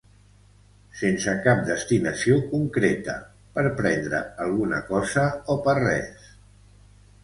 Sense cap destinació concreta, per prendre alguna cosa o per res.